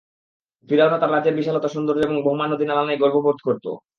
ফিরআউনও তার রাজ্যের বিশালতা, সৌন্দর্য এবং বহমান নদী-নালা নিয়ে গর্ববোধ করত।